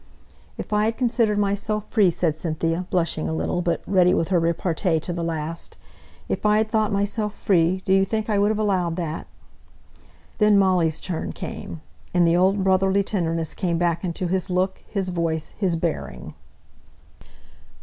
"If I had considered myself free," said Cynthia, blushing a little, but ready with her repartee to the last, "if I had thought myself free, do you think I would have allowed that?" Then Molly's turn came, and the old brotherly tenderness came back into his look, his voice, his bearing.